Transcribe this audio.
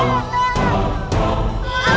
kok mereka pada ketakutan